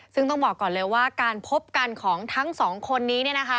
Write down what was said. ซึ่งต้องบอกก่อนเลยว่าการพบกันของทั้งสองคนนี้